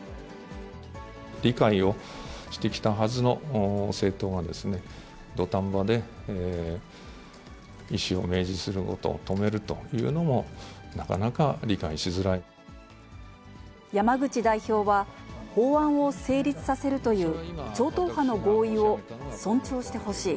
理解をしてきたはずの政党がですね、土壇場で意思を明示することを止めるというのも、なかなか理解し山口代表は、法案を成立させるという超党派の合意を尊重してほしい。